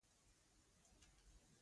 مېز په کور، مکتب، او دفتر کې وي.